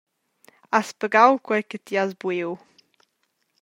Has pagau quei che ti has buiu?